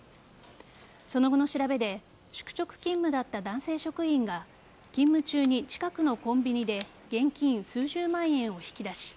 その後の調べで宿直勤務だった男性職員が勤務中に近くのコンビニで現金数十万円を引き出し